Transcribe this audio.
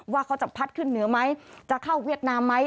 ว่าเขาจะพัดขึ้นเหนือไหมจะเข้าเวียดนามไหม